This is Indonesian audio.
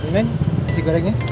min kasih gorengnya